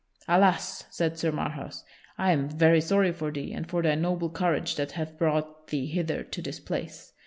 "Alas!" said Sir Marhaus, "I am very sorry for thee and for thy noble courage that hath brought thee hither to this place.